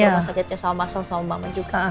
masakitnya sama mas al sama mama juga